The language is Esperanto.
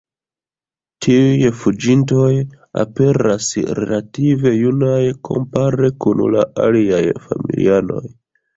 Tiuj "fuĝintoj" aperas relative junaj kompare kun la aliaj familianoj.